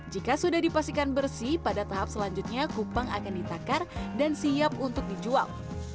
jika sudah dipastikan bersih pada tahap selanjutnya kupang akan ditakar dan siap untuk dijual